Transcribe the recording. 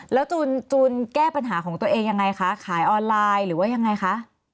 แล้วจูนแก้ปัญหาของตัวเองยังไงคะขายออนไลน์หรือว่ายังไงคะ